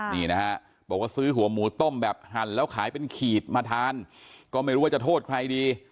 นี่นะฮะบอกว่าซื้อหัวหมูต้มแบบหั่นแล้วขายเป็นขีดมาทานก็ไม่รู้ว่าจะโทษใครดี